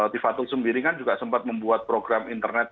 tifatul sendiri kan juga sempat membuat program internet